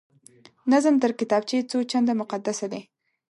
نظم تر کتابچې څو چنده مقدسه دی